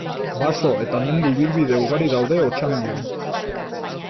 Baso eta mendi ibilbide ugari daude Otxandion.